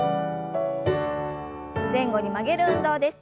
前後に曲げる運動です。